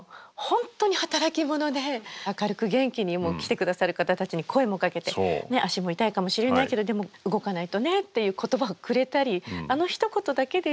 本当に働き者で明るく元気に来て下さる方たちに声もかけて足も痛いかもしれないけどでも動かないとねっていう言葉をくれたりあのひと言だけでみんなこうパワーをもらえる感じもしますよね。